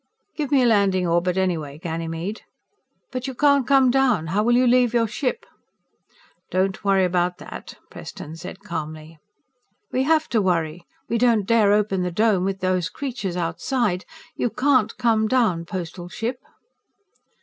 _ "Give me a landing orbit anyway, Ganymede." "But you can't come down! How will you leave your ship?" "Don't worry about that," Preston said calmly. "We have to worry! We don't dare open the Dome, with those creatures outside. You can't come down, Postal Ship."